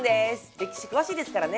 歴史詳しいですからね。